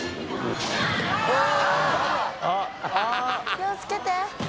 気をつけて！